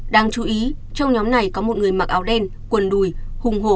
đáng chú ý trong nhóm này có một người mặc áo đen quần đùi hùng hồ